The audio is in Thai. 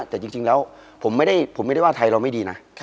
แต่จริงแล้วผมไม่ได้ว่าไทยเราไม่ดีนะ